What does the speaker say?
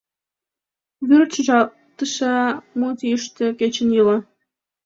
Вӱр чӱчалтышла мут йӱштӧ кечын йӱла.